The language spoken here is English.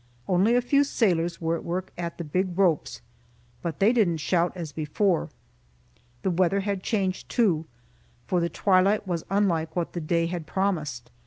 Only a few sailors were at work at the big ropes, but they didn't shout as before. The weather had changed, too, for the twilight was unlike what the day had promised.